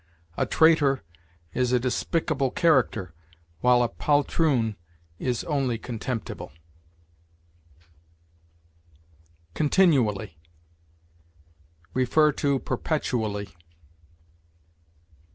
A traitor is a despicable character, while a poltroon is only contemptible. CONTINUALLY. See PERPETUALLY.